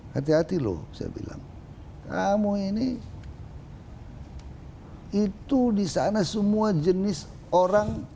hati hati loh saya bilang kamu ini itu di sana semua jenis orang